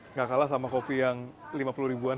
nggak kalah sama kopi yang lima puluh ribuan